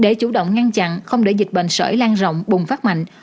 để chủ động ngăn chặn không để dịch bệnh sởi lan rộng bùng phát mạnh